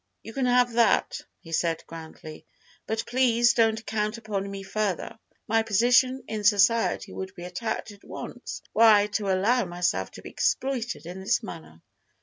"You can have that," he said grandly, "but please don't count upon me further. My position in society would be attacked at once were I to allow myself to be exploited in this manner."